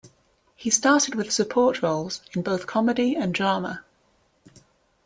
He started with support roles in both comedy and drama.